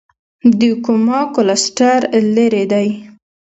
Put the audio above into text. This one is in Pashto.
د کوما کلسټر لیرې دی.